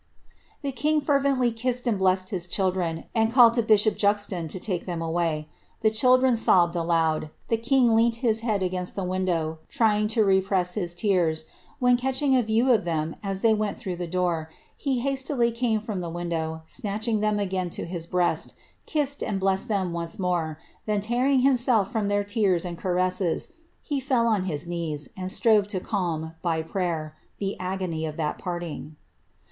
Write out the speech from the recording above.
The king fervently kissed and blessed his children, and ealli bishop Juxon to take them away. The children sobbed aloud ; the leant his head against the window, trying to repress his tears, « catching a view of them as they went through the door, he hastily 4 from the window, snatched them again to his breast, kissed and ilk them once more, then, tearing himself from their tears and careaai fell on his knees, and strove to calm, by prayer, the agony €f parting.